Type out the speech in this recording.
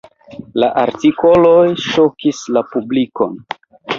La artikoloj ŝokis la publikon.